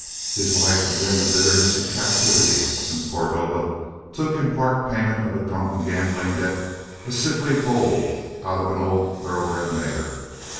His life had been the bitterness of captivity since Cordova took in part payment of a drunken gambling debt a sickly foal out of an old thoroughbred mare.